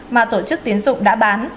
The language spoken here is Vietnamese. mà tổ chức tín dụng đã bán